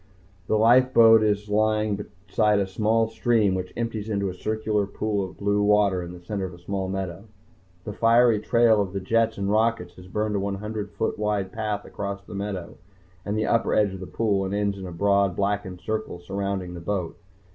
The life boat is lying beside a small stream which empties into a circular pool of blue water in the center of a small meadow. The fiery trail of the jets and rockets has burned a hundred foot wide path across the meadow, and the upper edge of the pool, and ends in a broad, blackened circle surrounding the boat.